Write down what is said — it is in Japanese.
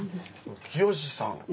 清司さん